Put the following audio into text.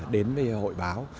đến với hội báo